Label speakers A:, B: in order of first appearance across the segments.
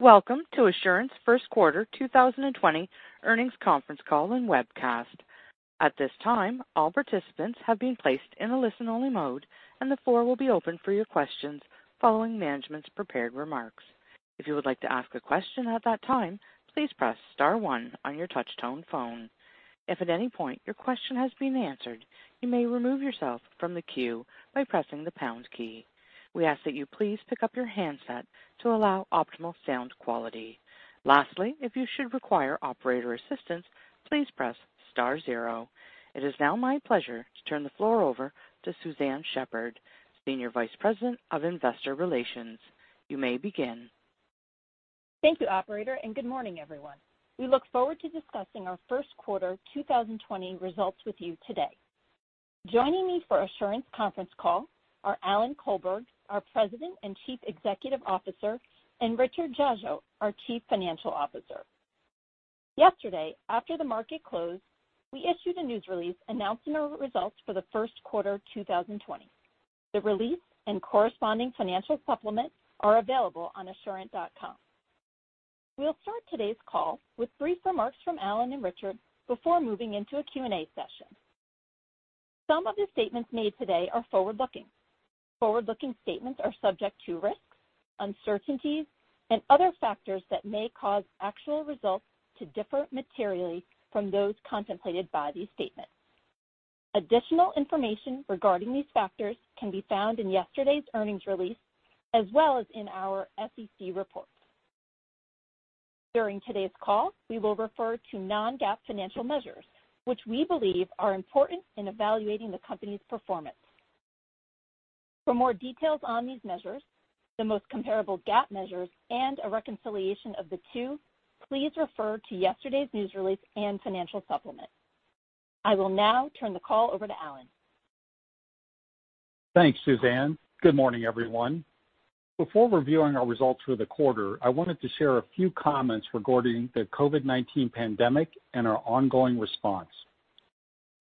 A: Welcome to Assurant's first quarter 2020 earnings conference call and webcast. At this time, all participants have been placed in a listen-only mode, the floor will be open for your questions following management's prepared remarks. If you would like to ask a question at that time, please press star one on your touch-tone phone. If at any point your question has been answered, you may remove yourself from the queue by pressing the pound key. We ask that you please pick up your handset to allow optimal sound quality. Lastly, if you should require operator assistance, please press star zero. It is now my pleasure to turn the floor over to Suzanne Shepherd, Senior Vice President of Investor Relations. You may begin.
B: Thank you operator. Good morning, everyone. We look forward to discussing our first quarter 2020 results with you today. Joining me for Assurant's conference call are Alan Colberg, our President and Chief Executive Officer, and Richard Dziadzio, our Chief Financial Officer. Yesterday, after the market closed, we issued a news release announcing our results for the first quarter 2020. The release and corresponding financial supplement are available on assurant.com. We'll start today's call with brief remarks from Alan and Richard before moving into a Q&A session. Some of the statements made today are forward-looking. Forward-looking statements are subject to risks, uncertainties, and other factors that may cause actual results to differ materially from those contemplated by these statements. Additional information regarding these factors can be found in yesterday's earnings release, as well as in our SEC reports. During today's call, we will refer to non-GAAP financial measures, which we believe are important in evaluating the company's performance. For more details on these measures, the most comparable GAAP measures, and a reconciliation of the two, please refer to yesterday's news release and financial supplement. I will now turn the call over to Alan.
C: Thanks, Suzanne. Good morning, everyone. Before reviewing our results for the quarter, I wanted to share a few comments regarding the COVID-19 pandemic and our ongoing response.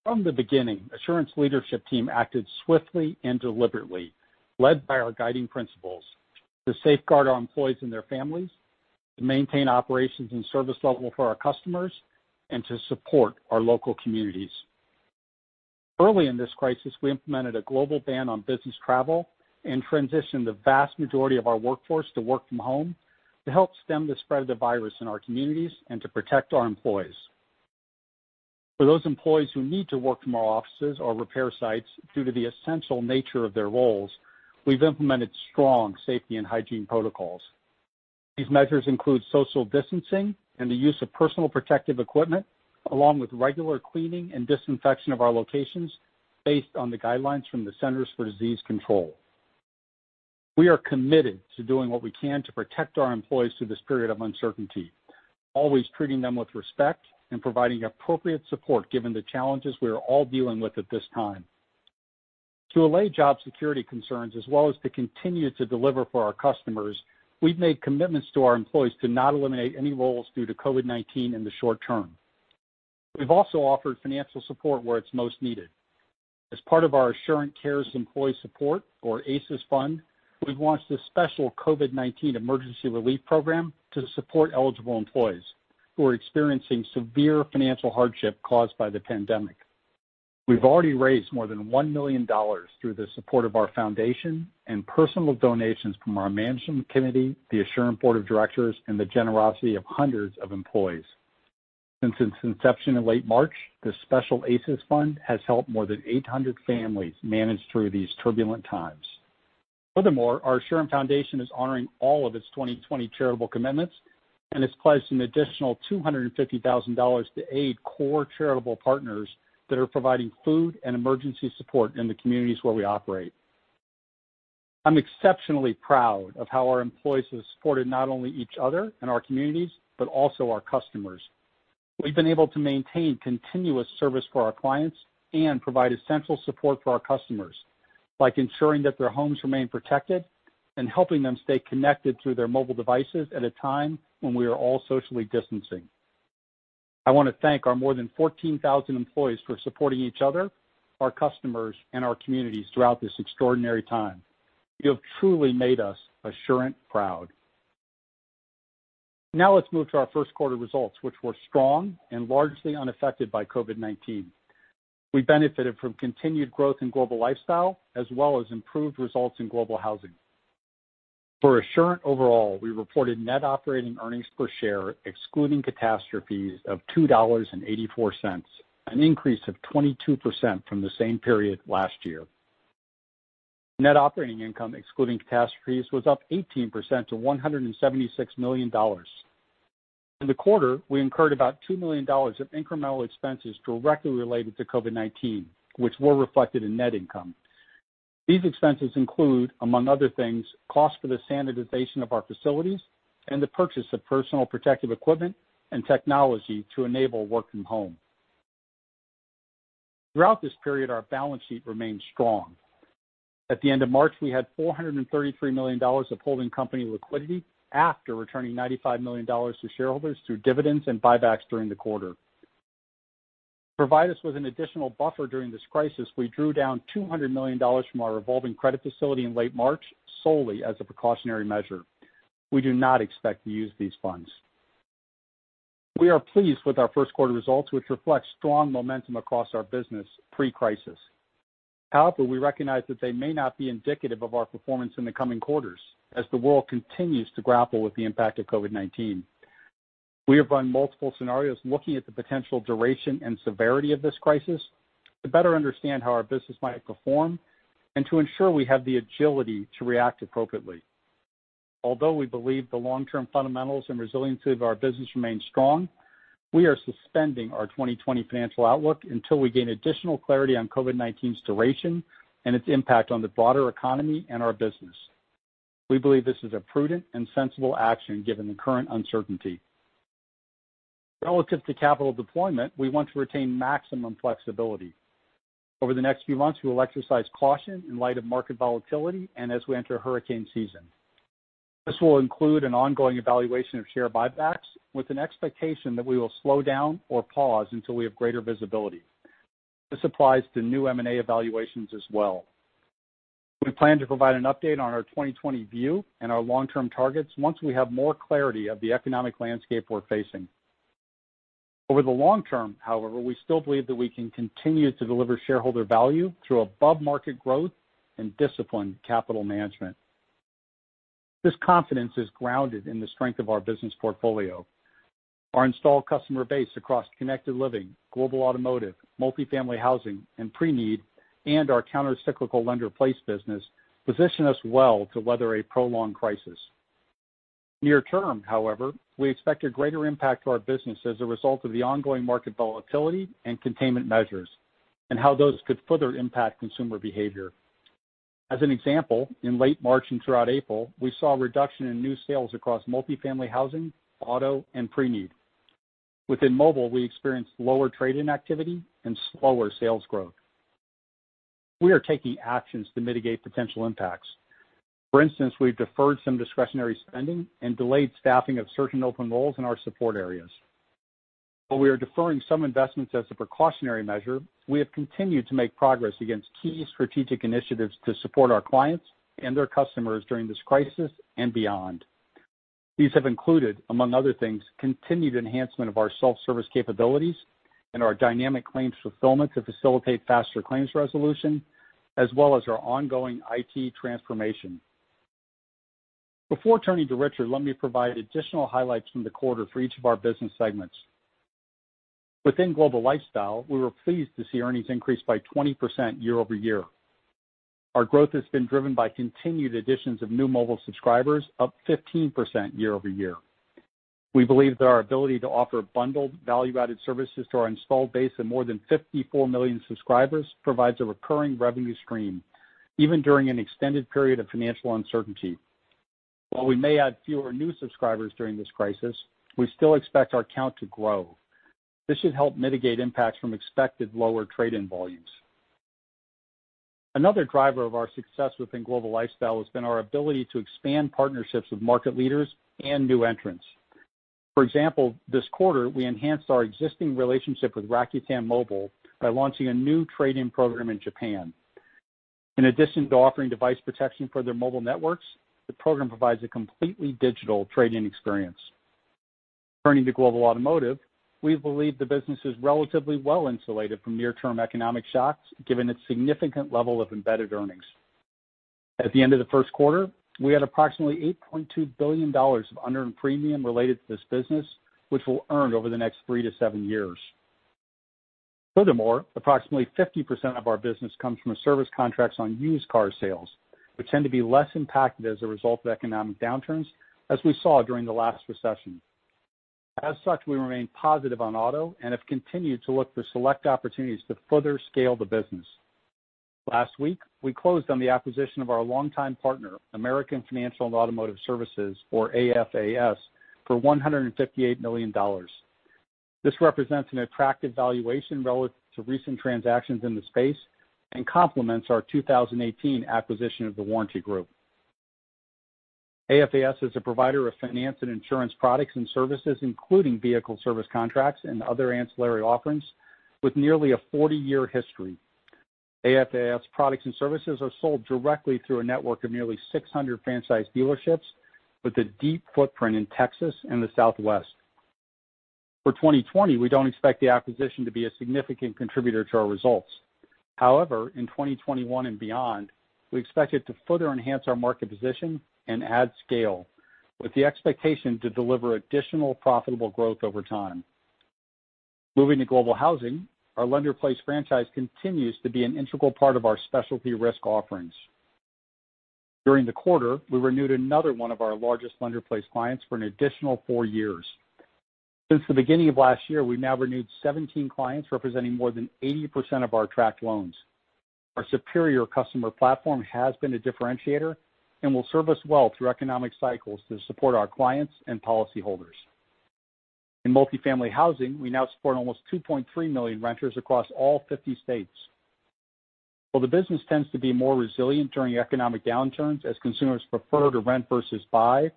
C: From the beginning, Assurant's leadership team acted swiftly and deliberately, led by our guiding principles to safeguard our employees and their families, to maintain operations and service level for our customers, and to support our local communities. Early in this crisis, we implemented a global ban on business travel and transitioned the vast majority of our workforce to work from home to help stem the spread of the virus in our communities and to protect our employees. For those employees who need to work from our offices or repair sites due to the essential nature of their roles, we've implemented strong safety and hygiene protocols. These measures include social distancing and the use of personal protective equipment, along with regular cleaning and disinfection of our locations based on the guidelines from the Centers for Disease Control. We are committed to doing what we can to protect our employees through this period of uncertainty, always treating them with respect and providing appropriate support given the challenges we are all dealing with at this time. To allay job security concerns as well as to continue to deliver for our customers, we've made commitments to our employees to not eliminate any roles due to COVID-19 in the short term. We've also offered financial support where it's most needed. As part of our Assurant Cares Employee Support, or ACES fund, we've launched a special COVID-19 emergency relief program to support eligible employees who are experiencing severe financial hardship caused by the pandemic. We've already raised more than $1 million through the support of our foundation and personal donations from our management committee, the Assurant board of directors, and the generosity of hundreds of employees. Since its inception in late March, the special ACES fund has helped more than 800 families manage through these turbulent times. Furthermore, our Assurant Foundation is honoring all of its 2020 charitable commitments and has pledged an additional $250,000 to aid core charitable partners that are providing food and emergency support in the communities where we operate. I'm exceptionally proud of how our employees have supported not only each other and our communities, but also our customers. We've been able to maintain continuous service for our clients and provide essential support for our customers by ensuring that their homes remain protected and helping them stay connected through their mobile devices at a time when we are all socially distancing. I want to thank our more than 14,000 employees for supporting each other, our customers, and our communities throughout this extraordinary time. You have truly made us Assurant proud. Let's move to our first quarter results, which were strong and largely unaffected by COVID-19. We benefited from continued growth in Global Lifestyle as well as improved results in Global Housing. For Assurant overall, we reported net operating earnings per share excluding catastrophes of $2.84, an increase of 22% from the same period last year. Net operating income excluding catastrophes was up 18% to $176 million. In the quarter, we incurred about $2 million of incremental expenses directly related to COVID-19, which were reflected in net income. These expenses include, among other things, cost for the standardization of our facilities and the purchase of personal protective equipment and technology to enable work from home. Throughout this period, our balance sheet remained strong. At the end of March, we had $433 million of holding company liquidity after returning $95 million to shareholders through dividends and buybacks during the quarter. Provide us with an additional buffer during this crisis, we drew down $200 million from our revolving credit facility in late March solely as a precautionary measure. We do not expect to use these funds. We are pleased with our first quarter results, which reflect strong momentum across our business pre-crisis. We recognize that they may not be indicative of our performance in the coming quarters as the world continues to grapple with the impact of COVID-19. We have run multiple scenarios looking at the potential duration and severity of this crisis to better understand how our business might perform and to ensure we have the agility to react appropriately. Although we believe the long-term fundamentals and resiliency of our business remain strong, we are suspending our 2020 financial outlook until we gain additional clarity on COVID-19's duration and its impact on the broader economy and our business. We believe this is a prudent and sensible action given the current uncertainty. Relative to capital deployment, we want to retain maximum flexibility. Over the next few months, we will exercise caution in light of market volatility and as we enter hurricane season. This will include an ongoing evaluation of share buybacks with an expectation that we will slow down or pause until we have greater visibility. This applies to new M&A evaluations as well. We plan to provide an update on our 2020 view and our long-term targets once we have more clarity of the economic landscape we're facing. Over the long term, however, we still believe that we can continue to deliver shareholder value through above-market growth and disciplined capital management. This confidence is grounded in the strength of our business portfolio. Our installed customer base across Connected Living, Global Automotive, Multifamily Housing, and Preneed, and our countercyclical Lender-Placed business position us well to weather a prolonged crisis. Near term, however, we expect a greater impact to our business as a result of the ongoing market volatility and containment measures and how those could further impact consumer behavior. As an example, in late March and throughout April, we saw a reduction in new sales across Multifamily Housing, Auto, and Preneed. Within mobile, we experienced lower trade-in activity and slower sales growth. We are taking actions to mitigate potential impacts. For instance, we've deferred some discretionary spending and delayed staffing of certain open roles in our support areas. While we are deferring some investments as a precautionary measure, we have continued to make progress against key strategic initiatives to support our clients and their customers during this crisis and beyond. These have included, among other things, continued enhancement of our self-service capabilities and our dynamic claims fulfillment to facilitate faster claims resolution, as well as our ongoing IT transformation. Before turning to Richard, let me provide additional highlights from the quarter for each of our business segments. Within Global Lifestyle, we were pleased to see earnings increase by 20% year-over-year. Our growth has been driven by continued additions of new mobile subscribers, up 15% year-over-year. We believe that our ability to offer bundled value-added services to our installed base of more than 54 million subscribers provides a recurring revenue stream, even during an extended period of financial uncertainty. While we may add fewer new subscribers during this crisis, we still expect our count to grow. This should help mitigate impacts from expected lower trade-in volumes. Another driver of our success within Global Lifestyle has been our ability to expand partnerships with market leaders and new entrants. For example, this quarter, we enhanced our existing relationship with Rakuten Mobile by launching a new trade-in program in Japan. In addition to offering device protection for their mobile networks, the program provides a completely digital trade-in experience. Turning to Global Automotive, we believe the business is relatively well-insulated from near-term economic shocks given its significant level of embedded earnings. At the end of the first quarter, we had approximately $8.2 billion of unearned premium related to this business, which we'll earn over the next three to seven years. Furthermore, approximately 50% of our business comes from service contracts on used car sales, which tend to be less impacted as a result of economic downturns, as we saw during the last recession. As such, we remain positive on auto and have continued to look for select opportunities to further scale the business. Last week, we closed on the acquisition of our longtime partner, American Financial & Automotive Services, or AFAS, for $158 million. This represents an attractive valuation relative to recent transactions in the space and complements our 2018 acquisition of The Warranty Group. AFAS is a provider of finance and insurance products and services, including vehicle service contracts and other ancillary offerings, with nearly a 40-year history. AFAS products and services are sold directly through a network of nearly 600 franchise dealerships with a deep footprint in Texas and the Southwest. For 2020, we don't expect the acquisition to be a significant contributor to our results. However, in 2021 and beyond, we expect it to further enhance our market position and add scale, with the expectation to deliver additional profitable growth over time. Moving to Global Housing, our Lender-Placed franchise continues to be an integral part of our specialty risk offerings. During the quarter, we renewed another one of our largest Lender-Placed clients for an additional four years. Since the beginning of last year, we've now renewed 17 clients, representing more than 80% of our tracked loans. Our superior customer platform has been a differentiator and will serve us well through economic cycles to support our clients and policyholders. In Multifamily Housing, we now support almost 2.3 million renters across all 50 states. Well, the business tends to be more resilient during economic downturns as consumers prefer to rent versus buy.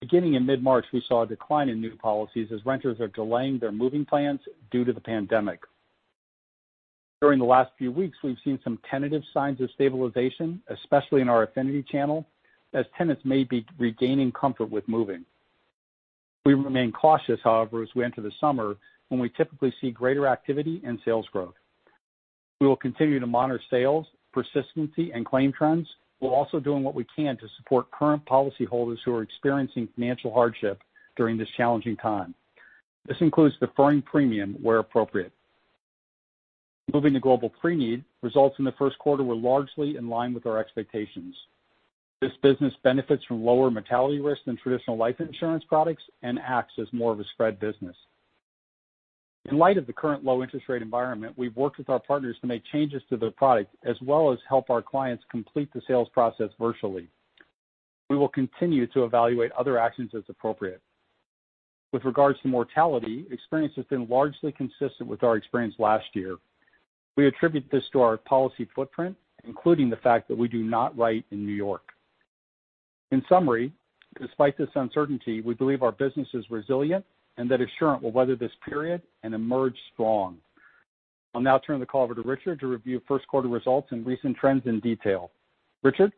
C: Beginning in mid-March, we saw a decline in new policies as renters are delaying their moving plans due to the pandemic. During the last few weeks, we've seen some tentative signs of stabilization, especially in our affinity channel, as tenants may be regaining comfort with moving. We remain cautious, however, as we enter the summer, when we typically see greater activity and sales growth. We will continue to monitor sales, persistency, and claim trends. We're also doing what we can to support current policyholders who are experiencing financial hardship during this challenging time. This includes deferring premium where appropriate. Moving to Global Preneed, results in the first quarter were largely in line with our expectations. This business benefits from lower mortality risk than traditional life insurance products and acts as more of a spread business. In light of the current low interest rate environment, we've worked with our partners to make changes to their product as well as help our clients complete the sales process virtually. We will continue to evaluate other actions as appropriate. With regards to mortality, experience has been largely consistent with our experience last year. We attribute this to our policy footprint, including the fact that we do not write in New York. In summary, despite this uncertainty, we believe our business is resilient and that Assurant will weather this period and emerge strong. I'll now turn the call over to Richard to review first quarter results and recent trends in detail. Richard?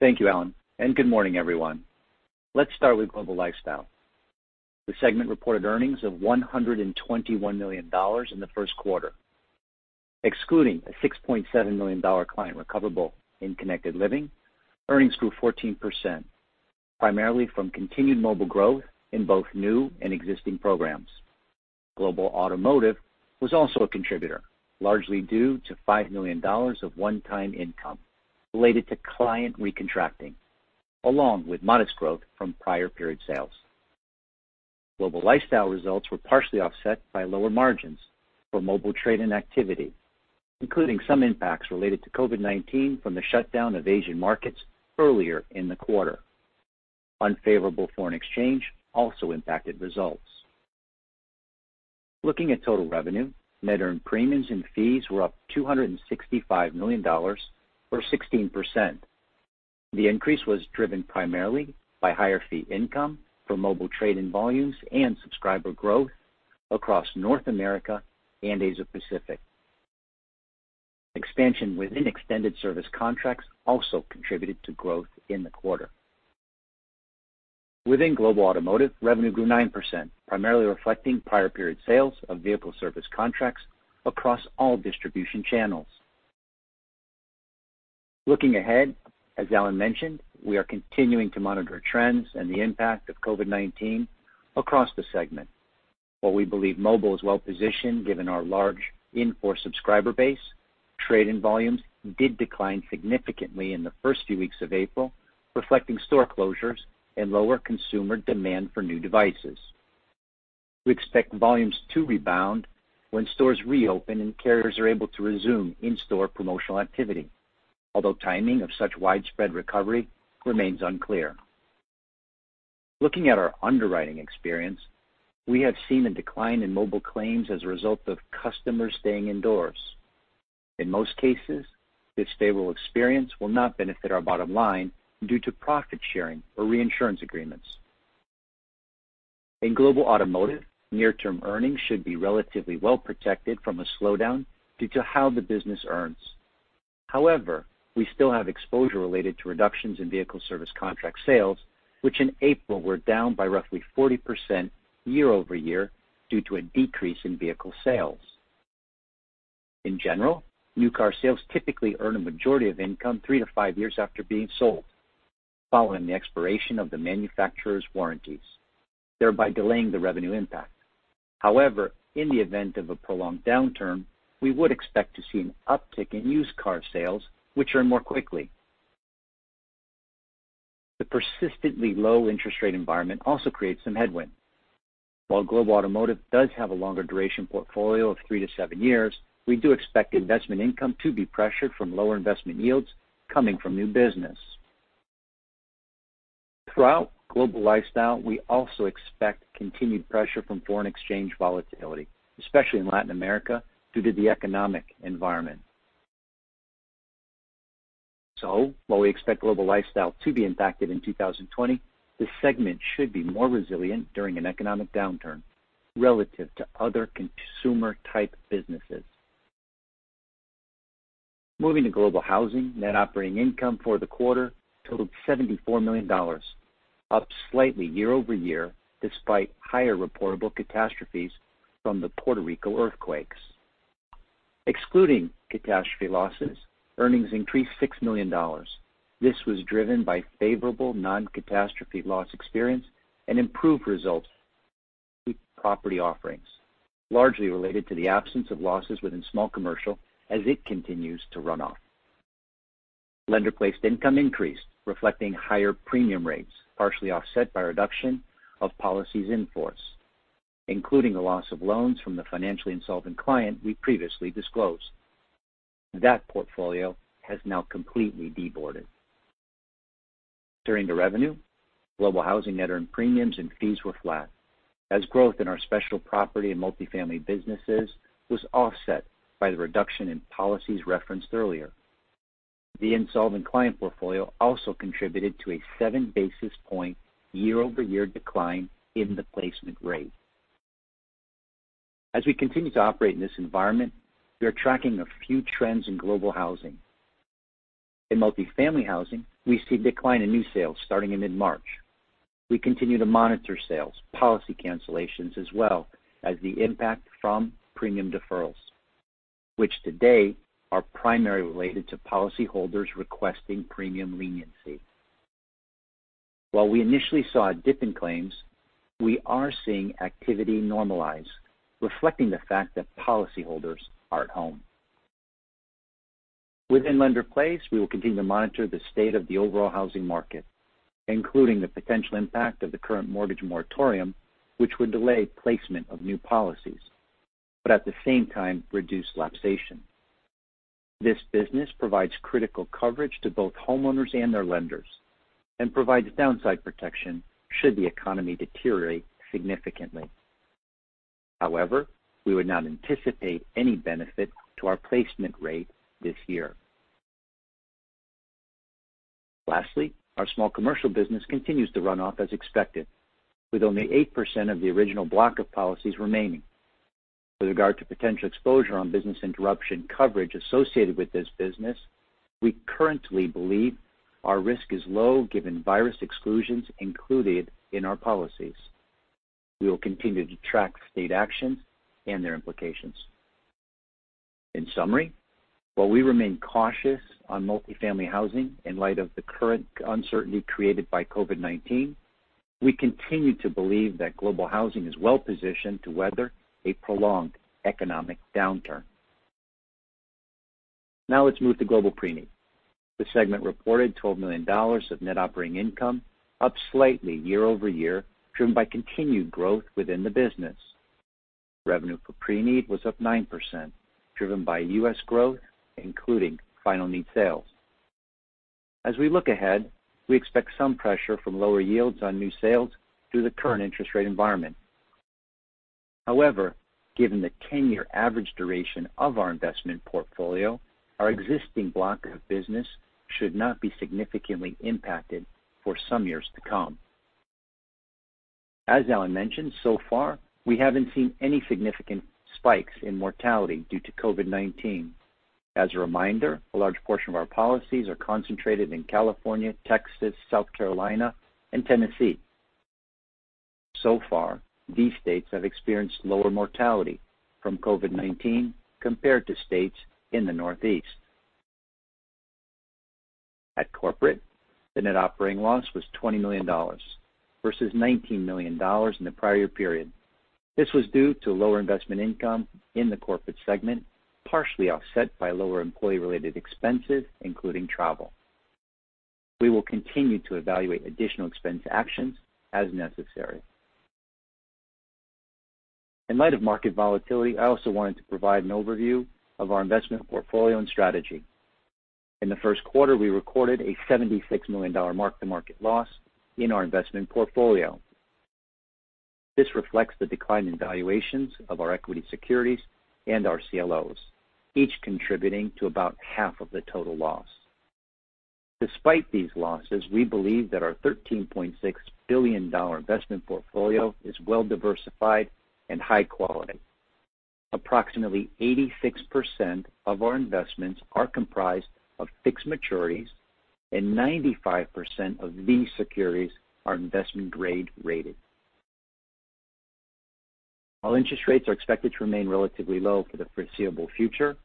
D: Thank you, Alan, and good morning, everyone. Let's start with Global Lifestyle. The segment reported earnings of $121 million in the first quarter. Excluding a $6.7 million client recoverable in Connected Living, earnings grew 14%, primarily from continued mobile growth in both new and existing programs. Global Automotive was also a contributor, largely due to $5 million of one-time income related to client recontracting, along with modest growth from prior period sales. Global Lifestyle results were partially offset by lower margins for mobile trade and activity, including some impacts related to COVID-19 from the shutdown of Asian markets earlier in the quarter. Unfavorable foreign exchange also impacted results. Looking at total revenue, net earned premiums and fees were up $265 million or 16%. The increase was driven primarily by higher fee income for mobile trade and volumes and subscriber growth across North America and Asia Pacific. Expansion within extended service contracts also contributed to growth in the quarter. Within Global Automotive, revenue grew 9%, primarily reflecting prior period sales of vehicle service contracts across all distribution channels. Looking ahead, as Alan mentioned, we are continuing to monitor trends and the impact of COVID-19 across the segment. While we believe mobile is well-positioned given our large in-force subscriber base, trade-in volumes did decline significantly in the first few weeks of April, reflecting store closures and lower consumer demand for new devices. We expect volumes to rebound when stores reopen and carriers are able to resume in-store promotional activity. Although timing of such widespread recovery remains unclear. Looking at our underwriting experience, we have seen a decline in mobile claims as a result of customers staying indoors. In most cases, this favorable experience will not benefit our bottom line due to profit sharing or reinsurance agreements. In Global Automotive, near-term earnings should be relatively well protected from a slowdown due to how the business earns. However, we still have exposure related to reductions in vehicle service contract sales, which in April, were down by roughly 40% year-over-year due to a decrease in vehicle sales. In general, new car sales typically earn a majority of income three to five years after being sold, following the expiration of the manufacturer's warranties, thereby delaying the revenue impact. However, in the event of a prolonged downturn, we would expect to see an uptick in used car sales, which earn more quickly. The persistently low interest rate environment also creates some headwind. While Global Automotive does have a longer duration portfolio of three to seven years, we do expect investment income to be pressured from lower investment yields coming from new business. Throughout Global Lifestyle, we also expect continued pressure from foreign exchange volatility, especially in Latin America due to the economic environment. While we expect Global Lifestyle to be impacted in 2020, this segment should be more resilient during an economic downturn relative to other consumer-type businesses. Moving to Global Housing, net operating income for the quarter totaled $74 million, up slightly year-over-year despite higher reportable catastrophes from the Puerto Rico earthquakes. Excluding catastrophe losses, earnings increased $6 million. This was driven by favorable non-catastrophe loss experience and improved results property offerings, largely related to the absence of losses within small commercial as it continues to run off. Lender-placed income increased, reflecting higher premium rates, partially offset by a reduction of policies in force, including a loss of loans from the financially insolvent client we previously disclosed. That portfolio has now completely deboarded. Turning to revenue, Global Housing net earned premiums and fees were flat as growth in our special property and multifamily businesses was offset by the reduction in policies referenced earlier. The insolvent client portfolio also contributed to a seven basis point year-over-year decline in the placement rate. As we continue to operate in this environment, we are tracking a few trends in Global Housing. In Multifamily Housing, we see a decline in new sales starting in mid-March. We continue to monitor sales, policy cancellations, as well as the impact from premium deferrals, which today are primarily related to policyholders requesting premium leniency. While we initially saw a dip in claims, we are seeing activity normalize, reflecting the fact that policyholders are at home. Within Lender-Placed, we will continue to monitor the state of the overall housing market, including the potential impact of the current mortgage moratorium, which would delay placement of new policies, but at the same time, reduce lapsation. This business provides critical coverage to both homeowners and their lenders and provides downside protection should the economy deteriorate significantly. However, we would not anticipate any benefit to our placement rate this year. Lastly, our small commercial business continues to run off as expected, with only 8% of the original block of policies remaining. With regard to potential exposure on business interruption coverage associated with this business, we currently believe our risk is low given virus exclusions included in our policies. We will continue to track state actions and their implications. In summary, while we remain cautious on Multifamily Housing in light of the current uncertainty created by COVID-19, we continue to believe that Global Housing is well-positioned to weather a prolonged economic downturn. Let's move to Global Preneed. The segment reported $12 million of net operating income, up slightly year-over-year, driven by continued growth within the business. Revenue for Preneed was up 9%, driven by U.S. growth, including final need sales. As we look ahead, we expect some pressure from lower yields on new sales due to the current interest rate environment. However, given the 10-year average duration of our investment portfolio, our existing block of business should not be significantly impacted for some years to come. As Alan mentioned, so far, we haven't seen any significant spikes in mortality due to COVID-19. As a reminder, a large portion of our policies are concentrated in California, Texas, South Carolina, and Tennessee. So far, these states have experienced lower mortality from COVID-19 compared to states in the Northeast. At Corporate, the net operating loss was $20 million versus $19 million in the prior period. This was due to lower investment income in the Corporate segment, partially offset by lower employee-related expenses, including travel. We will continue to evaluate additional expense actions as necessary. In light of market volatility, I also wanted to provide an overview of our investment portfolio and strategy. In the first quarter, we recorded a $76 million mark-to-market loss in our investment portfolio. This reflects the decline in valuations of our equity securities and our CLOs, each contributing to about half of the total loss. Despite these losses, we believe that our $13.6 billion investment portfolio is well-diversified and high quality. Approximately 86% of our investments are comprised of fixed maturities, and 95% of these securities are investment-grade rated. While interest rates are expected to remain relatively low for the foreseeable future,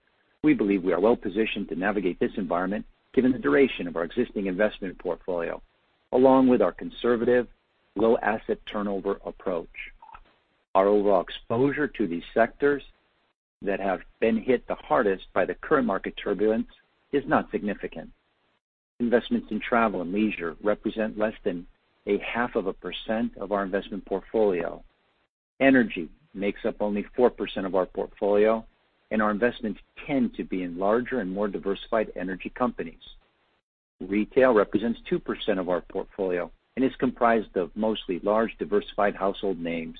D: we believe we are well-positioned to navigate this environment given the duration of our existing investment portfolio, along with our conservative low asset turnover approach. Our overall exposure to these sectors that have been hit the hardest by the current market turbulence is not significant. Investments in travel and leisure represent less than 0.5% of our investment portfolio. Energy makes up only 4% of our portfolio, and our investments tend to be in larger and more diversified energy companies. Retail represents 2% of our portfolio and is comprised of mostly large, diversified household names.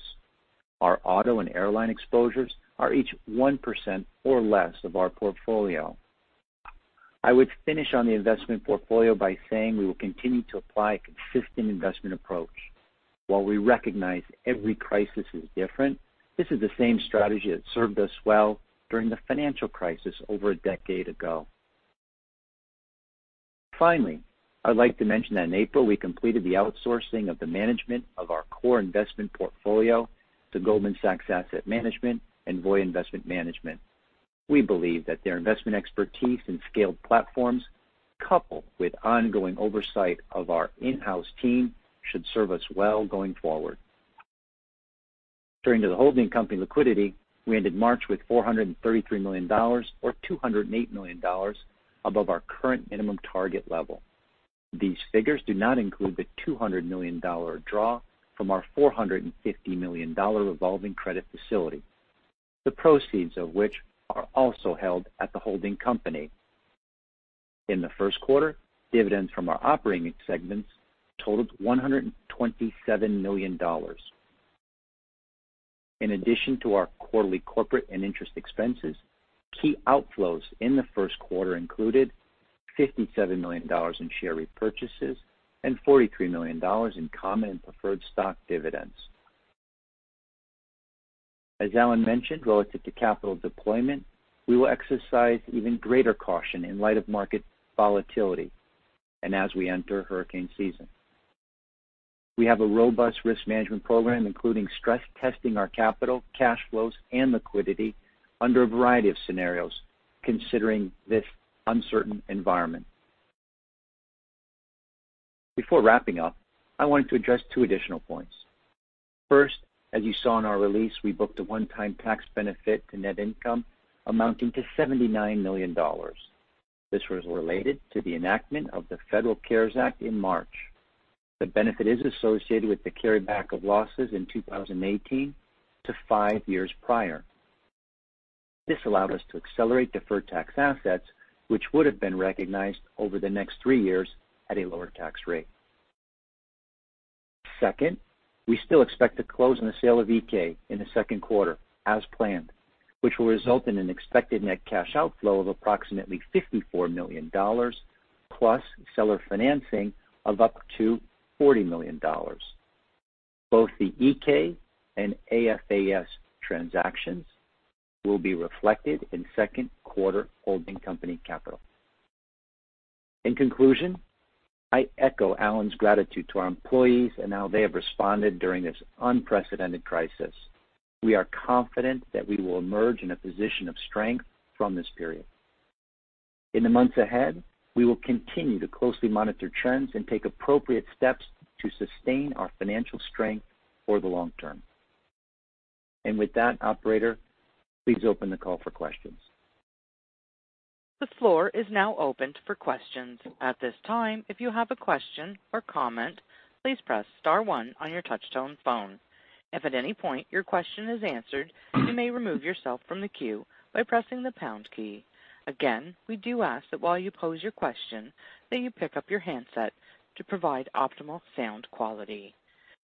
D: Our auto and airline exposures are each 1% or less of our portfolio. I would finish on the investment portfolio by saying we will continue to apply a consistent investment approach. While we recognize every crisis is different, this is the same strategy that served us well during the financial crisis over a decade ago. Finally, I'd like to mention that in April, we completed the outsourcing of the management of our core investment portfolio to Goldman Sachs Asset Management and Voya Investment Management. We believe that their investment expertise and scaled platforms, coupled with ongoing oversight of our in-house team, should serve us well going forward. Turning to the holding company liquidity, we ended March with $433 million, or $208 million above our current minimum target level. These figures do not include the $200 million draw from our $450 million revolving credit facility. The proceeds of which are also held at the holding company. In the first quarter, dividends from our operating segments totaled $127 million. In addition to our quarterly corporate and interest expenses, key outflows in the first quarter included $57 million in share repurchases and $43 million in common and preferred stock dividends. As Alan mentioned, relative to capital deployment, we will exercise even greater caution in light of market volatility and as we enter hurricane season. We have a robust risk management program, including stress-testing our capital, cash flows, and liquidity under a variety of scenarios considering this uncertain environment. Before wrapping up, I wanted to address two additional points. First, as you saw in our release, we booked a one-time tax benefit to net income amounting to $79 million. This was related to the enactment of the Federal CARES Act in March. The benefit is associated with the carryback of losses in 2018 to five years prior. This allowed us to accelerate deferred tax assets, which would have been recognized over the next three years at a lower tax rate. Second, we still expect to close on the sale of Iké in the second quarter as planned, which will result in an expected net cash outflow of approximately $54 million, plus seller financing of up to $40 million. Both the Iké and AFAS transactions will be reflected in second quarter holding company capital. In conclusion, I echo Alan's gratitude to our employees and how they have responded during this unprecedented crisis. We are confident that we will emerge in a position of strength from this period. In the months ahead, we will continue to closely monitor trends and take appropriate steps to sustain our financial strength for the long term. With that, operator, please open the call for questions.
A: The floor is now open for questions. At this time, if you have a question or comment, please press star one on your touch-tone phone. If at any point your question is answered, you may remove yourself from the queue by pressing the pound key. Again, we do ask that while you pose your question, that you pick up your handset to provide optimal sound quality.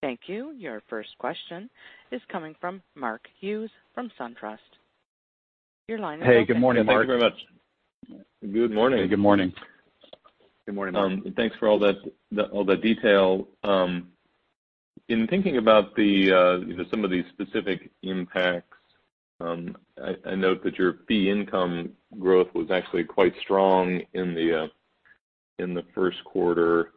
A: Thank you. Your first question is coming from Mark Hughes from SunTrust. Your line is open.
C: Hey, good morning, Mark.
E: Thank you very much. Good morning.
C: Good morning.
D: Good morning.
E: Thanks for all the detail. In thinking about some of the specific impacts, I note that your fee income growth was actually quite strong in the first quarter.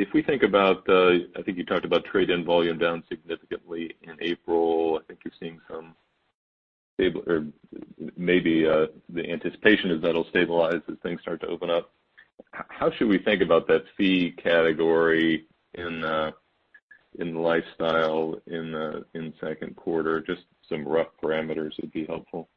E: I think you talked about trade-in volume down significantly in April. I think you're seeing some stable or maybe the anticipation is that it'll stabilize as things start to open up. How should we think about that fee category in the Global Lifestyle in the second quarter? Just some rough parameters would be helpful.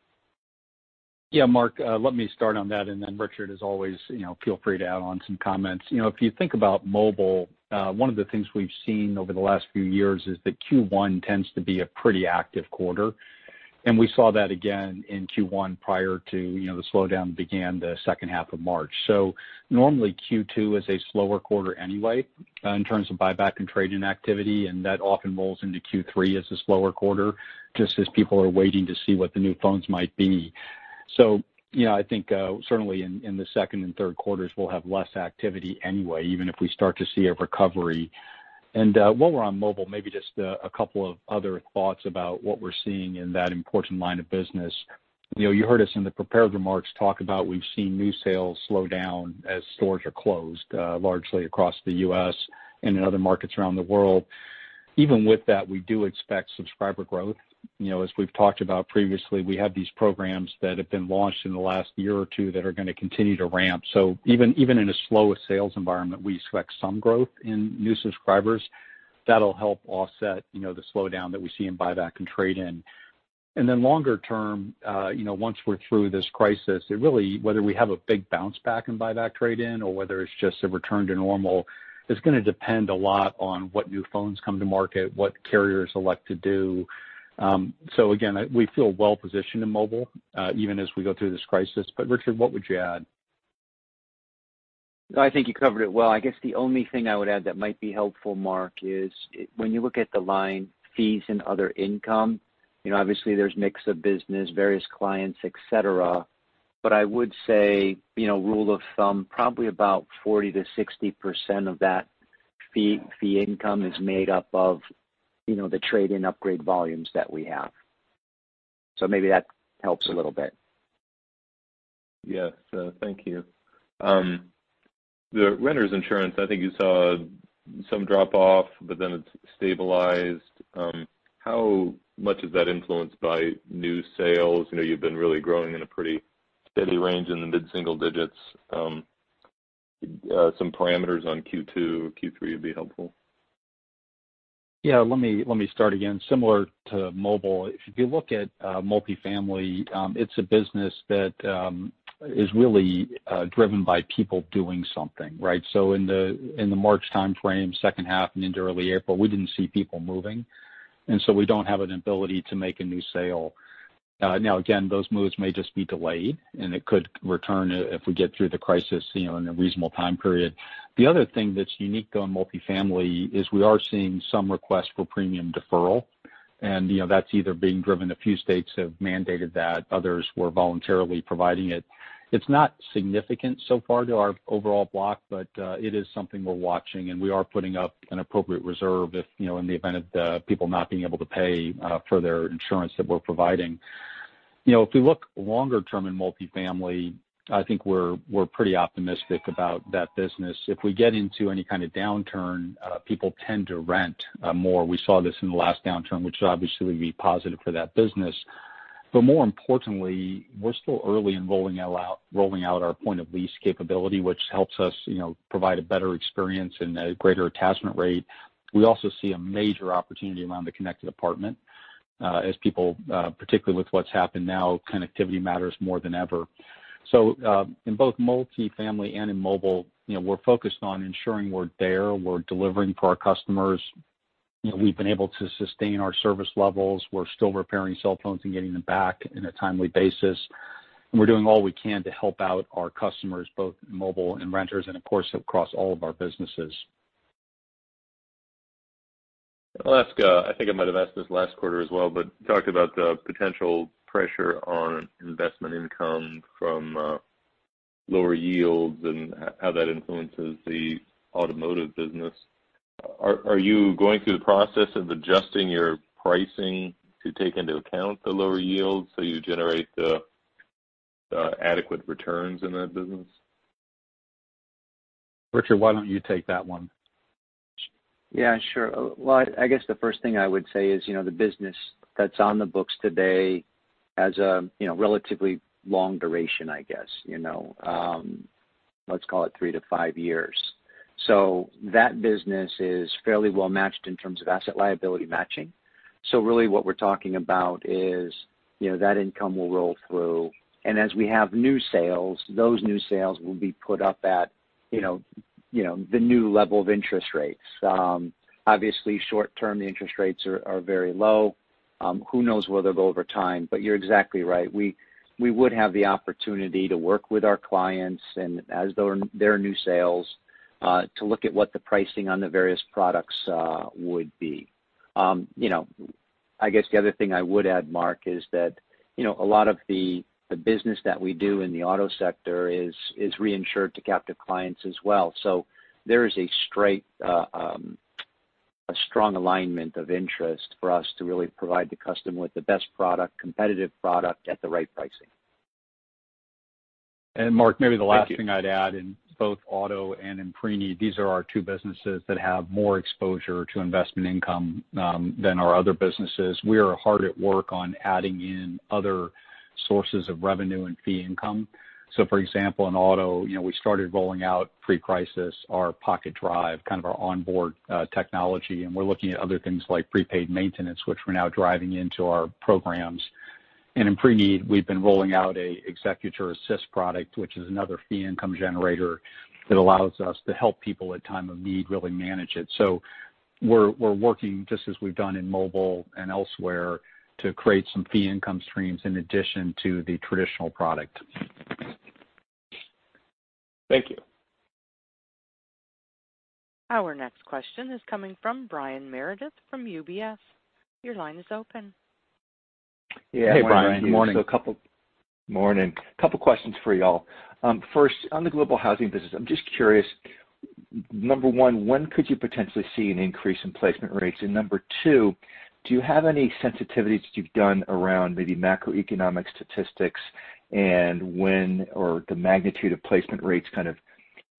C: Yeah, Mark, let me start on that, and then Richard, as always, feel free to add on some comments. If you think about mobile, one of the things we've seen over the last few years is that Q1 tends to be a pretty active quarter, and we saw that again in Q1 prior to the slowdown that began the second half of March. Normally Q2 is a slower quarter anyway in terms of buyback and trade-in activity, and that often rolls into Q3 as a slower quarter just as people are waiting to see what the new phones might be. I think certainly in the second and third quarters, we'll have less activity anyway even if we start to see a recovery. While we're on mobile, maybe just a couple of other thoughts about what we're seeing in that important line of business. You heard us in the prepared remarks talk about we've seen new sales slow down as stores are closed largely across the U.S. and in other markets around the world. Even with that, we do expect subscriber growth. As we've talked about previously, we have these programs that have been launched in the last year or two that are going to continue to ramp. Even in a slower sales environment, we expect some growth in new subscribers that'll help offset the slowdown that we see in buyback and trade-in. Longer term, once we're through this crisis, it really, whether we have a big bounce back in buyback trade-in or whether it's just a return to normal, is going to depend a lot on what new phones come to market, what carriers elect to do. Again, we feel well-positioned in mobile even as we go through this crisis. Richard, what would you add?
D: I think you covered it well. I guess the only thing I would add that might be helpful, Mark, is when you look at the line fees and other income, obviously there's mix of business, various clients, et cetera, but I would say, rule of thumb, probably about 40%-60% of that fee income is made up of the trade-in upgrade volumes that we have. Maybe that helps a little bit.
E: Yes. Thank you. The renters insurance, I think you saw some drop off, but then it's stabilized. How much is that influenced by new sales? You've been really growing in a pretty steady range in the mid-single digits. Some parameters on Q2 or Q3 would be helpful.
C: Yeah. Let me start again. Similar to mobile, if you look at Multifamily Housing, it's a business that is really driven by people doing something, right? In the March timeframe, second half into early April, we didn't see people moving, and so we don't have an ability to make a new sale. Again, those moves may just be delayed. It could return if we get through the crisis in a reasonable time period. The other thing that's unique on Multifamily Housing is we are seeing some requests for premium deferral. That's either being driven, a few states have mandated that, others were voluntarily providing it. It's not significant so far to our overall block. It is something we're watching. We are putting up an appropriate reserve if in the event of people not being able to pay for their insurance that we're providing. If we look longer term in Multifamily Housing, I think we're pretty optimistic about that business. If we get into any kind of downturn, people tend to rent more. We saw this in the last downturn, which would obviously be positive for that business. More importantly, we're still early in rolling out our point of lease capability, which helps us provide a better experience and a greater attachment rate. We also see a major opportunity around the connected apartment, as people, particularly with what's happened now, connectivity matters more than ever. In both multifamily and in mobile, we're focused on ensuring we're there, we're delivering for our customers. We've been able to sustain our service levels. We're still repairing cell phones and getting them back in a timely basis. We're doing all we can to help out our customers, both in mobile and renters, and of course, across all of our businesses.
E: I'll ask, I think I might've asked this last quarter as well, but you talked about the potential pressure on investment income from lower yields and how that influences the automotive business. Are you going through the process of adjusting your pricing to take into account the lower yields, so you generate the adequate returns in that business?
C: Richard, why don't you take that one?
D: Yeah, sure. Well, I guess the first thing I would say is, the business that's on the books today has a relatively long duration, I guess. Let's call it three to five years. That business is fairly well matched in terms of asset liability matching. Really what we're talking about is, that income will roll through, and as we have new sales, those new sales will be put up at the new level of interest rates. Obviously short-term, the interest rates are very low. Who knows where they'll go over time, but you're exactly right. We would have the opportunity to work with our clients and as their new sales, to look at what the pricing on the various products would be. I guess the other thing I would add, Mark, is that a lot of the business that we do in the auto sector is reinsured to captive clients as well. There is a strong alignment of interest for us to really provide the customer with the best product, competitive product at the right pricing.
C: Mark, maybe the last thing I'd add, in both Auto and in Preneed, these are our two businesses that have more exposure to investment income than our other businesses. We are hard at work on adding in other sources of revenue and fee income. For example, in auto, we started rolling out pre-crisis our Pocket Drive, kind of our onboard technology, and we're looking at other things like prepaid maintenance, which we're now driving into our programs. In Preneed, we've been rolling out an Executor Assist product, which is another fee income generator that allows us to help people at time of need really manage it. We're working just as we've done in mobile and elsewhere to create some fee income streams in addition to the traditional product.
E: Thank you.
A: Our next question is coming from Brian Meredith from UBS. Your line is open.
C: Hey, Brian. Good morning.
D: Hey, Brian.
F: So a couple- Morning. Couple questions for you all. First, on the Global Housing business, I'm just curious, number one, when could you potentially see an increase in placement rates? Number two, do you have any sensitivities that you've done around maybe macroeconomic statistics and when or the magnitude of placement rates kind of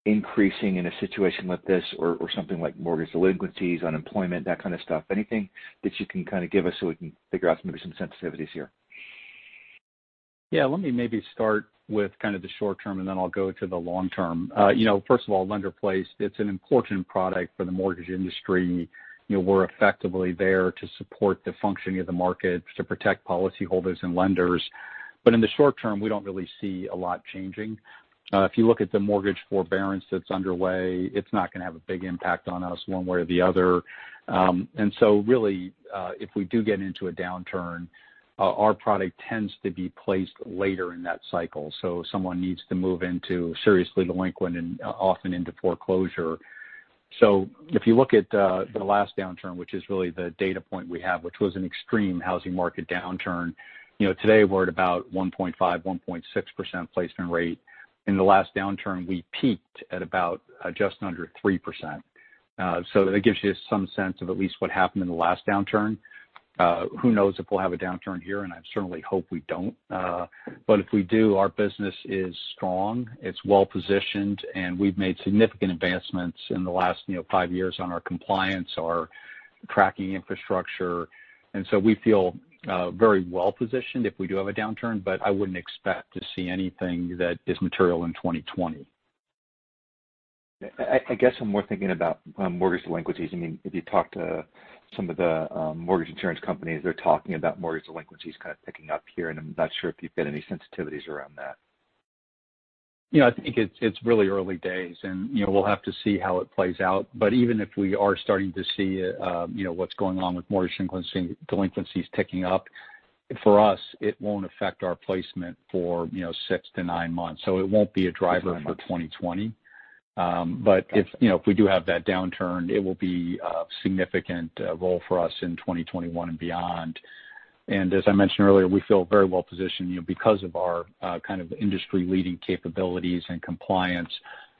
F: increasing in a situation like this or something like mortgage delinquencies, unemployment, that kind of stuff? Anything that you can kind of give us so we can figure out maybe some sensitivities here?
C: Yeah, let me maybe start with kind of the short term and then I'll go to the long term. First of all, Lender-Placed, it's an important product for the mortgage industry. We're effectively there to support the functioning of the market, to protect policy holders and lenders. In the short term, we don't really see a lot changing. If you look at the mortgage forbearance that's underway, it's not going to have a big impact on us one way or the other. Really, if we do get into a downturn, our product tends to be placed later in that cycle, if someone needs to move into seriously delinquent and often into foreclosure. If you look at the last downturn, which is really the data point we have, which was an extreme housing market downturn, today we're at about 1.5%, 1.6% placement rate. In the last downturn, we peaked at about just under 3%. That gives you some sense of at least what happened in the last downturn. Who knows if we'll have a downturn here, and I certainly hope we don't. If we do, our business is strong, it's well-positioned, and we've made significant advancements in the last five years on our compliance, our tracking infrastructure, and so we feel very well-positioned if we do have a downturn, but I wouldn't expect to see anything that is material in 2020.
F: I guess when we're thinking about mortgage delinquencies, if you talk to some of the mortgage insurance companies, they're talking about mortgage delinquencies kind of picking up here, and I'm not sure if you've got any sensitivities around that.
C: I think it's really early days, and we'll have to see how it plays out. Even if we are starting to see what's going on with mortgage delinquencies ticking up, for us, it won't affect our placement for six to nine months. It won't be a driver for 2020. If we do have that downturn, it will be a significant role for us in 2021 and beyond. As I mentioned earlier, we feel very well-positioned because of our kind of industry-leading capabilities and compliance.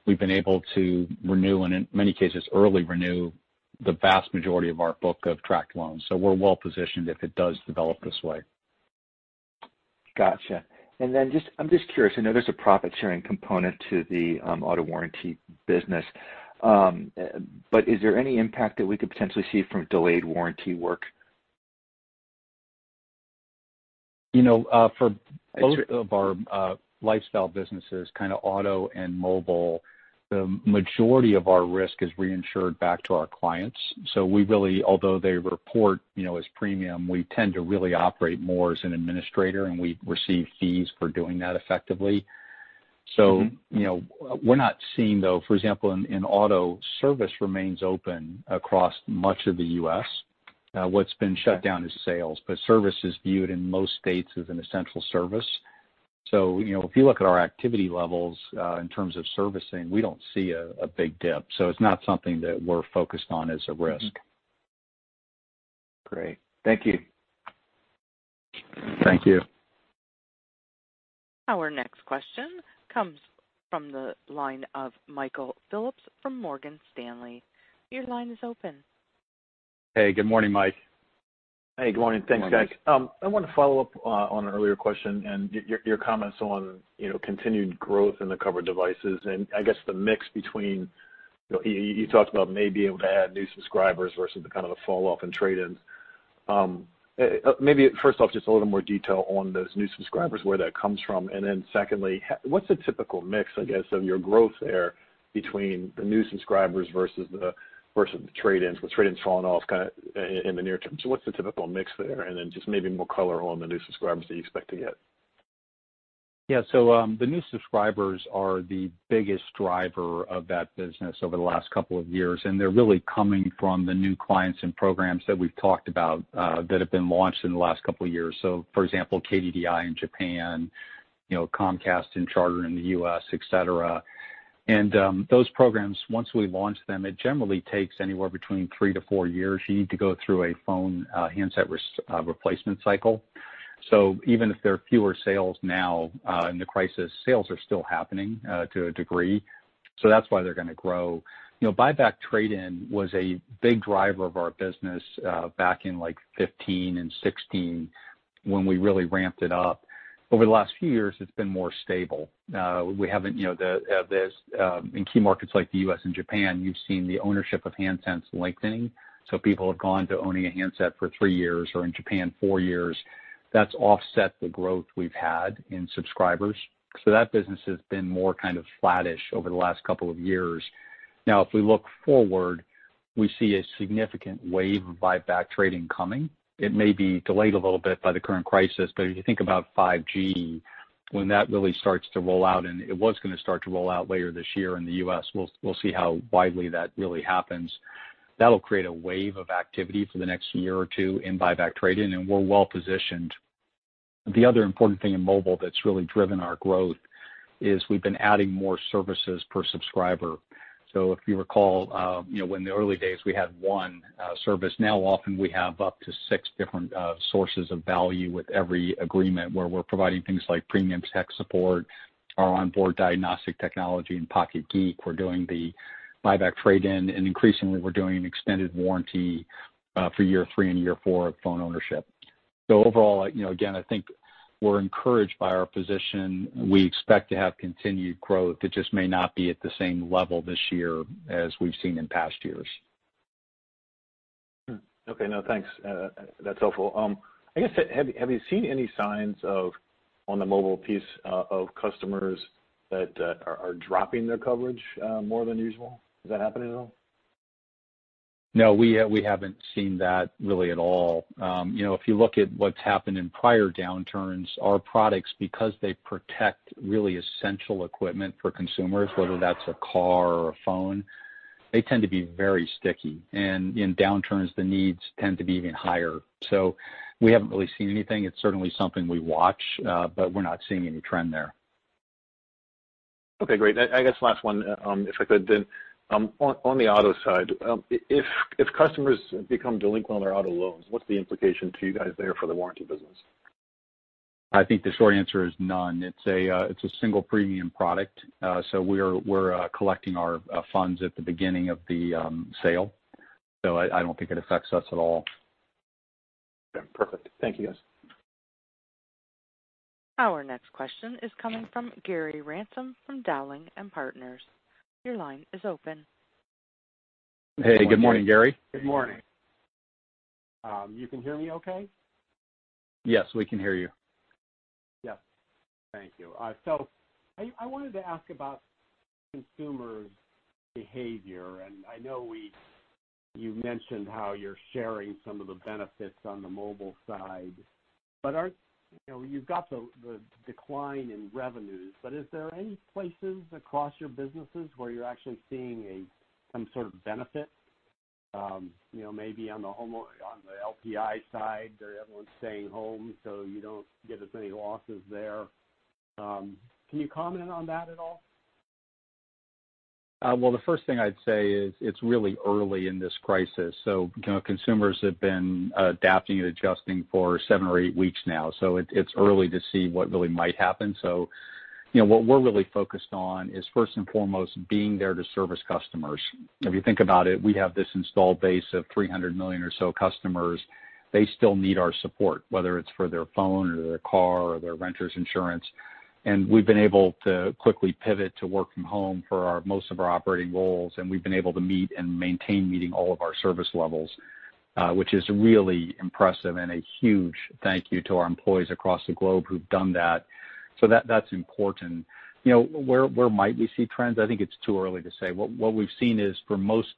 C: We've been able to renew, and in many cases, early renew the vast majority of our book of tracked loans. We're well-positioned if it does develop this way.
F: Got you. I'm just curious, I know there's a profit-sharing component to the auto warranty business. Is there any impact that we could potentially see from delayed warranty work?
C: For both of our Global Lifestyle businesses, kind of Global Automotive and Connected Living, the majority of our risk is reinsured back to our clients. We really, although they report as premium, we tend to really operate more as an administrator, and we receive fees for doing that effectively. We're not seeing, though, for example, in auto, service remains open across much of the U.S. What's been shut down is sales. Service is viewed in most states as an essential service. If you look at our activity levels in terms of servicing, we don't see a big dip. It's not something that we're focused on as a risk.
F: Great. Thank you.
C: Thank you.
A: Our next question comes from the line of Michael Phillips from Morgan Stanley. Your line is open.
C: Hey, good morning, Mike.
G: Hey, good morning. Thanks, guys. I want to follow up on an earlier question and your comments on continued growth in the covered devices and I guess the mix between, you talked about maybe being able to add new subscribers versus the kind of the fall off in trade-ins. Maybe first off, just a little more detail on those new subscribers, where that comes from. Then secondly, what's the typical mix, I guess, of your growth there between the new subscribers versus the trade-ins? With trade-ins falling off kind of in the near term. What's the typical mix there? Then just maybe more color on the new subscribers that you expect to get.
C: Yeah. The new subscribers are the biggest driver of that business over the last couple of years, and they're really coming from the new clients and programs that we've talked about that have been launched in the last couple of years. For example, KDDI in Japan, Comcast and Charter in the U.S., et cetera. Those programs, once we launch them, it generally takes anywhere between three to four years. You need to go through a phone handset replacement cycle. Even if there are fewer sales now in the crisis, sales are still happening to a degree. That's why they're going to grow. Buyback trade-in was a big driver of our business back in like 2015 and 2016, when we really ramped it up. Over the last few years, it's been more stable. In key markets like the U.S. and Japan, you've seen the ownership of handsets lengthening. People have gone to owning a handset for three years, or in Japan, four years. That's offset the growth we've had in subscribers. That business has been more kind of flattish over the last couple of years. Now if we look forward, we see a significant wave of buyback trade-in coming. It may be delayed a little bit by the current crisis, but if you think about 5G, when that really starts to roll out, and it was going to start to roll out later this year in the U.S., we'll see how widely that really happens. That'll create a wave of activity for the next year or two in buyback trade-in, and we're well-positioned. The other important thing in mobile that's really driven our growth is we've been adding more services per subscriber. If you recall, in the early days, we had one service. Now often we have up to six different sources of value with every agreement, where we're providing things like premium tech support, our onboard diagnostic technology in Pocket Geek. We're doing the buyback trade-in, and increasingly, we're doing an extended warranty for year three and year four of phone ownership. Overall, again, I think we're encouraged by our position. We expect to have continued growth. It just may not be at the same level this year as we've seen in past years.
G: Okay. No, thanks. That's helpful. I guess, have you seen any signs on the mobile piece of customers that are dropping their coverage more than usual? Is that happening at all?
C: No, we haven't seen that really at all. If you look at what's happened in prior downturns, our products, because they protect really essential equipment for consumers, whether that's a car or a phone, they tend to be very sticky. In downturns, the needs tend to be even higher. We haven't really seen anything. It's certainly something we watch, but we're not seeing any trend there.
G: Okay, great. I guess last one, if I could then. On the auto side, if customers become delinquent on their auto loans, what's the implication to you guys there for the warranty business?
C: I think the short answer is none. It's a single premium product. We're collecting our funds at the beginning of the sale. I don't think it affects us at all.
G: Okay, perfect. Thank you, guys.
A: Our next question is coming from Gary Ransom from Dowling & Partners. Your line is open.
C: Hey, good morning, Gary.
H: Good morning. You can hear me okay?
C: Yes, we can hear you.
H: Yeah. Thank you. I wanted to ask about consumer behavior, and I know you mentioned how you're sharing some of the benefits on the mobile side. You've got the decline in revenues. Is there any places across your businesses where you're actually seeing some sort of benefit? Maybe on the LPI side, everyone's staying home, so you don't get as many losses there. Can you comment on that at all?
C: Well, the first thing I'd say is it's really early in this crisis. Consumers have been adapting and adjusting for seven or eight weeks now. It's early to see what really might happen. What we're really focused on is, first and foremost, being there to service customers. If you think about it, we have this installed base of 300 million or so customers. They still need our support, whether it's for their phone or their car or their renters insurance. We've been able to quickly pivot to work from home for most of our operating roles, and we've been able to meet and maintain meeting all of our service levels, which is really impressive and a huge thank you to our employees across the globe who've done that. That's important. Where might we see trends? I think it's too early to say. What we've seen is, for most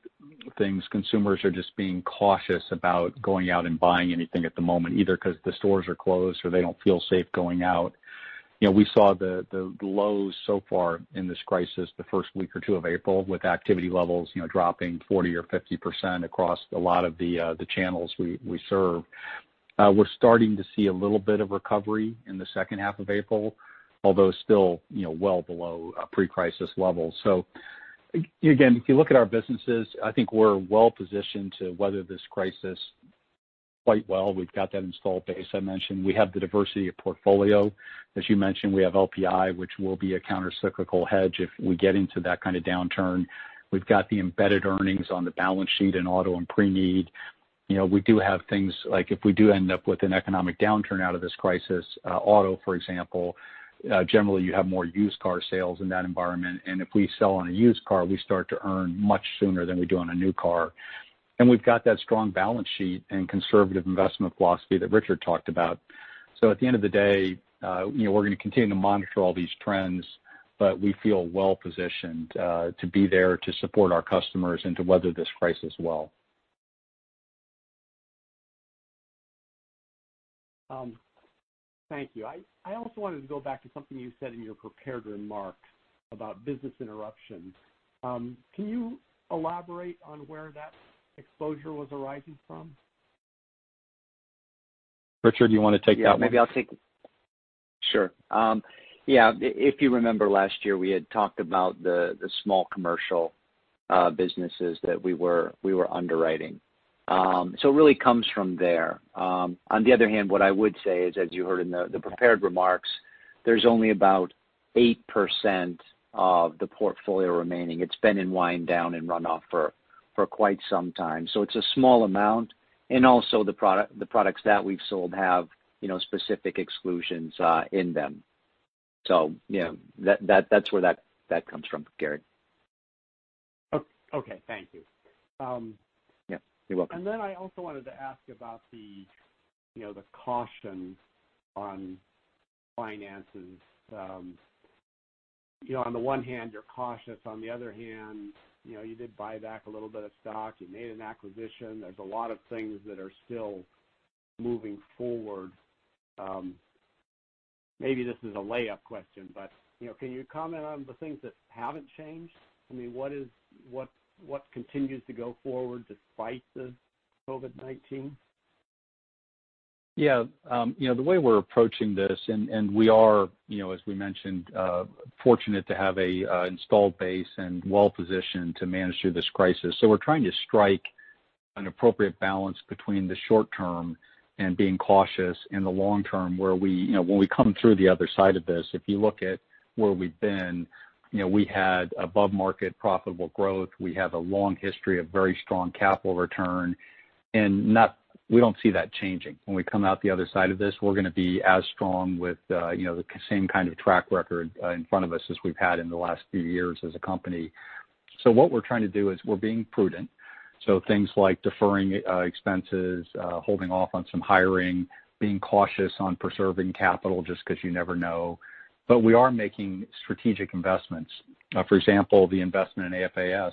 C: things, consumers are just being cautious about going out and buying anything at the moment, either because the stores are closed or they don't feel safe going out. We saw the lows so far in this crisis the first week or two of April, with activity levels dropping 40% or 50% across a lot of the channels we serve. We're starting to see a little bit of recovery in the second half of April, although still well below pre-crisis levels. Again, if you look at our businesses, I think we're well-positioned to weather this crisis quite well. We've got that installed base I mentioned. We have the diversity of portfolio. As you mentioned, we have LPI, which will be a counter-cyclical hedge if we get into that kind of downturn. We've got the embedded earnings on the balance sheet in auto and Preneed. We do have things like if we do end up with an economic downturn out of this crisis, Global Automotive, for example, generally you have more used car sales in that environment. If we sell on a used car, we start to earn much sooner than we do on a new car. We've got that strong balance sheet and conservative investment philosophy that Richard talked about. At the end of the day, we're going to continue to monitor all these trends, but we feel well-positioned to be there to support our customers and to weather this crisis well.
H: Thank you. I also wanted to go back to something you said in your prepared remarks about business interruption. Can you elaborate on where that exposure was arising from?
C: Richard, you want to take that one?
D: Sure. Yeah. If you remember last year, we had talked about the small commercial businesses that we were underwriting. It really comes from there. On the other hand, what I would say is, as you heard in the prepared remarks, there's only about 8% of the portfolio remaining. It's been in wind down and run-off for quite some time. It's a small amount. Also the products that we've sold have specific exclusions in them. Yeah, that's where that comes from, Gary.
H: Okay. Thank you.
D: Yeah. You're welcome.
H: I also wanted to ask about the caution on finances. On the one hand, you're cautious, on the other hand, you did buy back a little bit of stock. You made an acquisition. There's a lot of things that are still moving forward. Maybe this is a layup question, but can you comment on the things that haven't changed? What continues to go forward despite the COVID-19?
C: Yeah. The way we're approaching this, and we are, as we mentioned, fortunate to have an installed base and well-positioned to manage through this crisis. We're trying to strike an appropriate balance between the short term and being cautious in the long term when we come through the other side of this. If you look at where we've been, we had above-market profitable growth. We have a long history of very strong capital return, and we don't see that changing. When we come out the other side of this, we're going to be as strong with the same kind of track record in front of us as we've had in the last few years as a company. What we're trying to do is we're being prudent. Things like deferring expenses, holding off on some hiring, being cautious on preserving capital just because you never know. We are making strategic investments. For example, the investment in AFAS,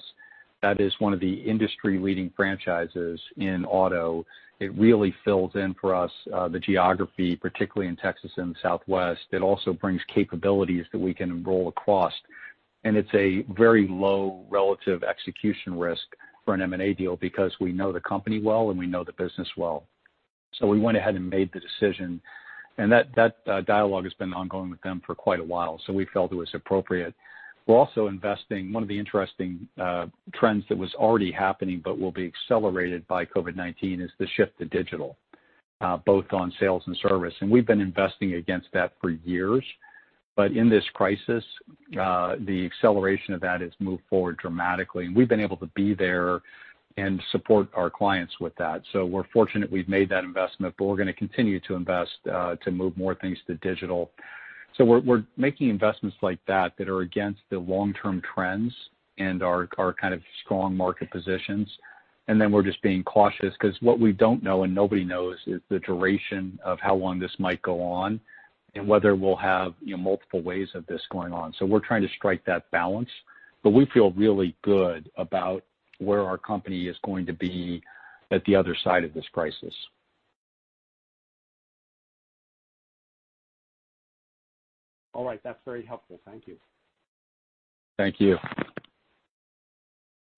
C: that is one of the industry-leading franchises in auto. It really fills in for us the geography, particularly in Texas and the Southwest. It also brings capabilities that we can roll across, and it's a very low relative execution risk for an M&A deal because we know the company well, and we know the business well. We went ahead and made the decision, and that dialogue has been ongoing with them for quite a while. We felt it was appropriate. We're also investing, one of the interesting trends that was already happening but will be accelerated by COVID-19, is the shift to digital, both on sales and service. We've been investing against that for years. In this crisis, the acceleration of that has moved forward dramatically, and we've been able to be there and support our clients with that. We're fortunate we've made that investment, but we're going to continue to invest to move more things to digital. We're making investments like that are against the long-term trends and our kind of strong market positions. We're just being cautious because what we don't know, and nobody knows, is the duration of how long this might go on and whether we'll have multiple waves of this going on. We're trying to strike that balance, but we feel really good about where our company is going to be at the other side of this crisis.
H: All right. That's very helpful. Thank you.
C: Thank you.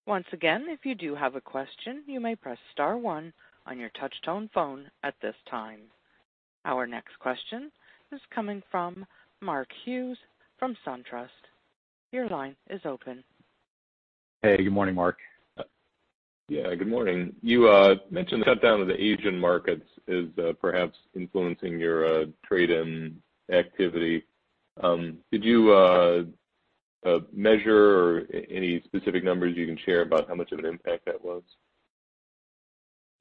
A: Once again, if you do have a question, you may press star one on your touch-tone phone at this time. Our next question is coming from Mark Hughes from SunTrust. Your line is open.
C: Hey, good morning, Mark.
E: Yeah, good morning. You mentioned the shutdown of the Asian markets is perhaps influencing your trade-in activity. Did you measure any specific numbers you can share about how much of an impact that was?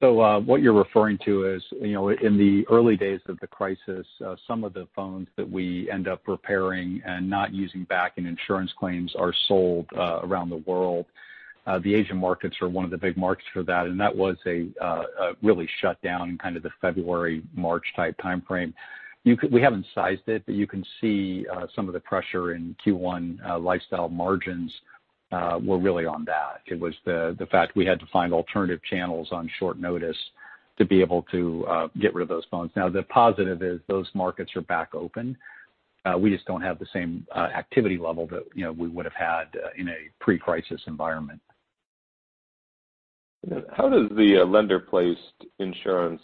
C: What you're referring to is, in the early days of the crisis, some of the phones that we end up repairing and not using back in insurance claims are sold around the world. The Asian markets are one of the big markets for that, and that was really shut down in kind of the February, March type timeframe. We haven't sized it, but you can see some of the pressure in Q1 Global Lifestyle margins were really on that. It was the fact we had to find alternative channels on short notice to be able to get rid of those phones. The positive is those markets are back open. We just don't have the same activity level that we would have had in a pre-crisis environment.
E: How does the Lender-Placed insurance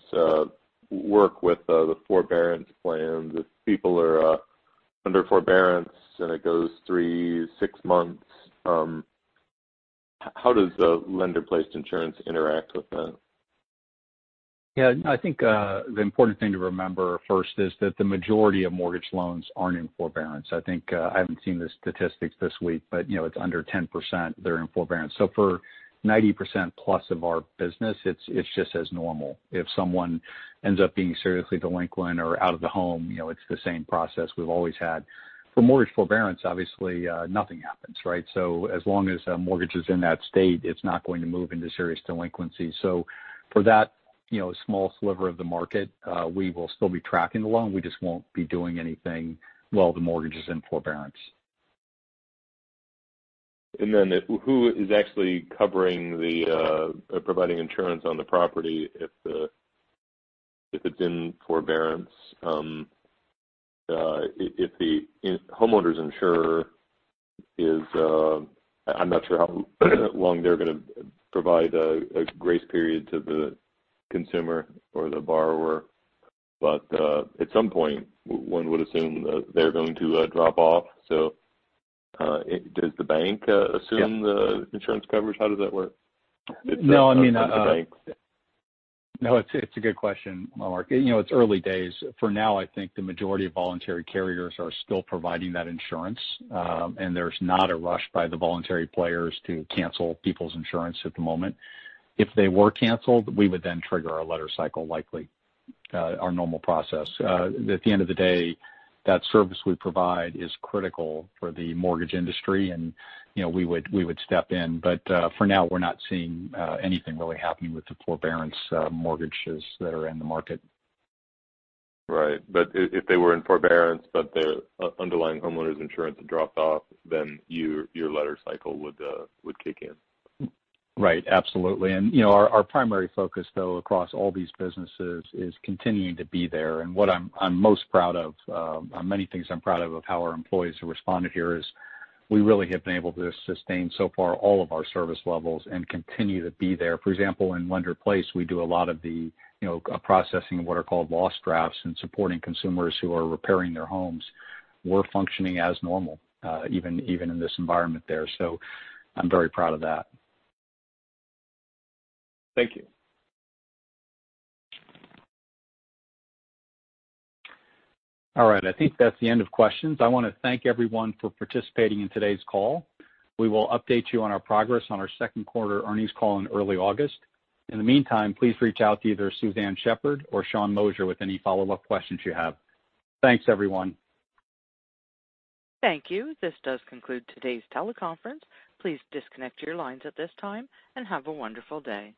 E: work with the forbearance plan? If people are under forbearance and it goes three, six months, how does the Lender-Placed insurance interact with that?
C: Yeah, I think the important thing to remember first is that the majority of mortgage loans aren't in forbearance. I haven't seen the statistics this week, but it's under 10% that are in forbearance. For 90%+ of our business, it's just as normal. If someone ends up being seriously delinquent or out of the home, it's the same process we've always had. For mortgage forbearance, obviously, nothing happens, right? As long as a mortgage is in that state, it's not going to move into serious delinquency. For that small sliver of the market, we will still be tracking the loan, we just won't be doing anything while the mortgage is in forbearance.
E: Who is actually providing insurance on the property if it's in forbearance? If the homeowner's insurer is, I'm not sure how long they're going to provide a grace period to the consumer or the borrower, but at some point, one would assume they're going to drop off. Does the bank assume the insurance coverage? How does that work?
C: No, I mean.
E: The banks.
C: No, it's a good question, Mark. It's early days. For now, I think the majority of voluntary carriers are still providing that insurance, and there's not a rush by the voluntary players to cancel people's insurance at the moment. If they were canceled, we would then trigger a letter cycle, likely, our normal process. At the end of the day, that service we provide is critical for the mortgage industry, and we would step in. For now, we're not seeing anything really happening with the forbearance mortgages that are in the market.
E: Right. If they were in forbearance, but their underlying homeowner's insurance had dropped off, then your letter cycle would kick in.
C: Right. Absolutely. Our primary focus, though, across all these businesses is continuing to be there. What I'm most proud of, many things I'm proud of how our employees have responded here is we really have been able to sustain so far all of our service levels and continue to be there. For example, in Lender-Placed, we do a lot of the processing of what are called loss drafts and supporting consumers who are repairing their homes. We're functioning as normal even in this environment there. I'm very proud of that.
E: Thank you.
C: All right. I think that's the end of questions. I want to thank everyone for participating in today's call. We will update you on our progress on our second quarter earnings call in early August. In the meantime, please reach out to either Suzanne Shepherd or Sean Moshier with any follow-up questions you have. Thanks, everyone.
A: Thank you. This does conclude today's teleconference. Please disconnect your lines at this time and have a wonderful day.